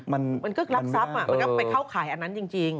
มันก็รักทรัพย์มันก็ไปเข้าข่ายอันนั้นจริง